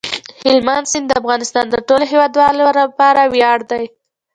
هلمند سیند د افغانستان د ټولو هیوادوالو لپاره ویاړ دی.